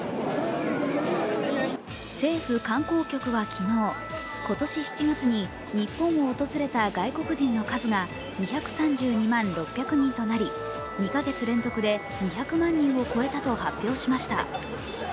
政府観光局は昨日、今年７月に日本を訪れた外国人の数が２３２万６００人となり２か月連続で２００万人を超えたと発表しました。